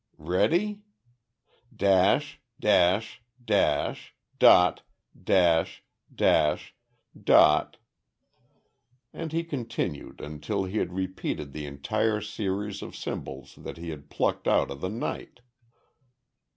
Ready?... Dash, dash, dash, dot, dash, dash, dot " and he continued until he had repeated the entire series of symbols that he had plucked out of the night.